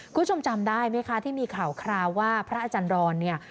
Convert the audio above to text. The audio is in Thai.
คุณผู้ชมจำได้ไหมคะที่มีข่าวคราวว่าพระอาจารย์รอนเนี่ย